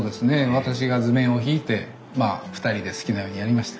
私が図面を引いてまあ２人で好きなようにやりました。